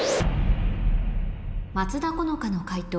松田好花の解答